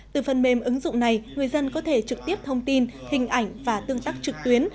từ phần mềm ứng dụng này người dân có thể trực tiếp thông tin hình ảnh và tương tác trực tuyến